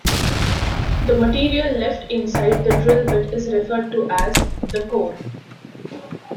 The material left inside the drill bit is referred to as the "core".